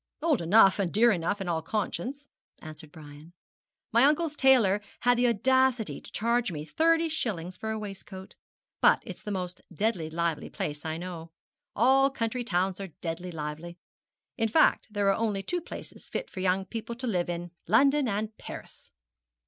'Old enough, and dear enough, in all conscience,' answered Brian. 'My uncle's tailor had the audacity to charge me thirty shillings for a waistcoat. But it's the most deadly lively place I know. All country towns are deadly lively; in fact, there are only two places fit for young people to live in London and Paris!'